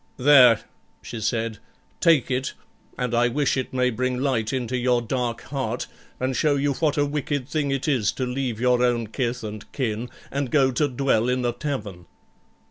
'There,' she said, 'take it, and I wish it may bring light into your dark heart, and show you what a wicked thing it is to leave your own kith and kin and go to dwell in a tavern.'